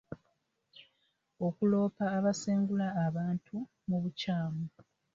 Okuloopa abasengula abantu mu bukyamu.